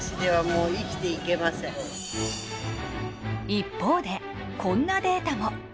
一方でこんなデータも。